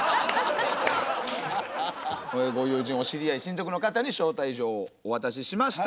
親ご友人お知り合い親族の方に招待状をお渡ししました。